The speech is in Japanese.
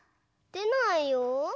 でないよ？